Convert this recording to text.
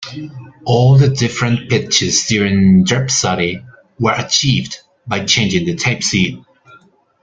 All the different pitches during "Dripsody" were achieved by changing the tape speed.